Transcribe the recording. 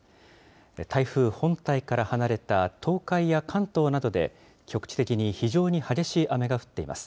台風本体から離れた東海や関東などで、局地的に非常に激しい雨が降っています。